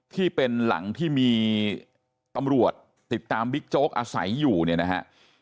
ที่เป็นหลังที่มีตำรวจติดตามบิ๊กโจ๊กอาศัยอยู่เนี่ยนะฮะ